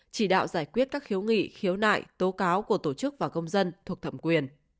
chỉ đạo giải quyết các khiếu nại tố cáo của tổ chức và công dân thuộc thẩm quyền